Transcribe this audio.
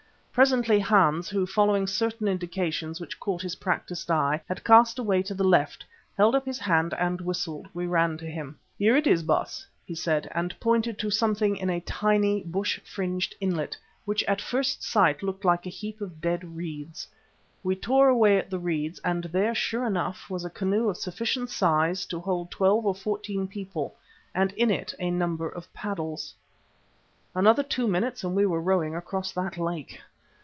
Presently Hans, who, following certain indications which caught his practised eye, had cast away to the left, held up his hand and whistled. We ran to him. "Here it is, Baas," he said, and pointed to something in a tiny bush fringed inlet, that at first sight looked like a heap of dead reeds. We tore away at the reeds, and there, sure enough, was a canoe of sufficient size to hold twelve or fourteen people, and in it a number of paddles. Another two minutes and we were rowing across that lake.